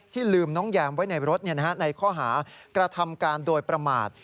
ลืมน้องแยมไว้ในรถในข้อหากระทำการโดยประมาท